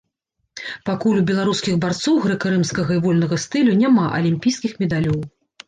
Пакуль у беларускіх барцоў грэка-рымскага і вольнага стылю няма алімпійскіх медалёў.